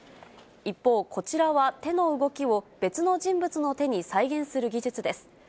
一方、こちらは手の動きを別の人物の手に再現する技術です。